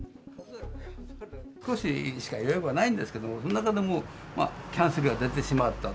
少ししか予約はないんですけれども、その中でも、キャンセルは出てしまった。